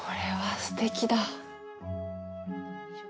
これはすてきだ。